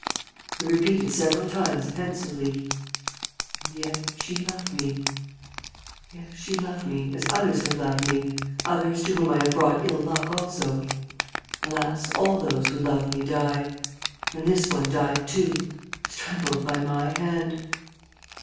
He repeated several times, pensively, "And yet she loved me. ... Yes, she loved me, as others have loved me ... others to whom I have brought ill luck also. ... Alas, all those who love me die! ... And this one died too, strangled by my hand.